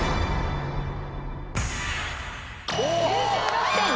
お！